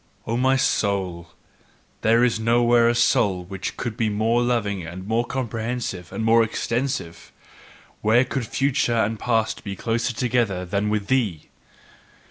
O my soul, there is nowhere a soul which could be more loving and more comprehensive and more extensive! Where could future and past be closer together than with thee?